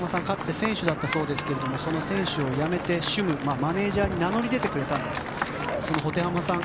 かつて選手だったそうですが選手をやめて、マネジャーに名乗り出てくれたんだと。